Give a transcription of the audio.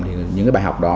thì những cái bài học đó